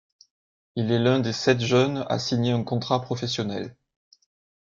Il est l'un des sept jeunes à signer un contrat professionnel.